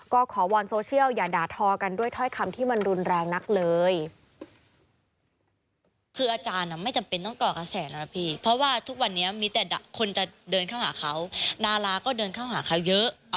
ก็ขอวอนโซเชียลอย่าด่าทอกันด้วยถ้อยคำที่มันรุนแรงนักเลย